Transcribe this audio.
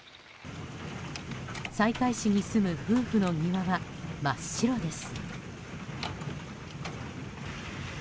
西海市に住む夫婦の庭は真っ白です。